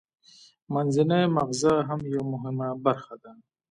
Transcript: منځنی مغزه هم یوه مهمه برخه ده